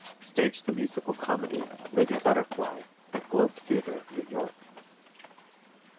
Staged the musical comedy "Lady Butterfly," at Globe Theatre, New York.